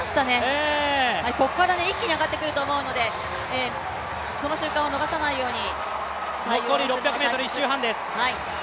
ここから一気に上がってくると思うのでその瞬間を逃さないように。